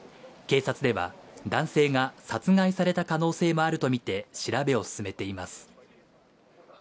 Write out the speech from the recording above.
警察では男性が殺害された可能性もあるとみて調べを進めています